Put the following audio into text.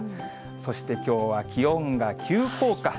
そしてきょうは気温が急降下。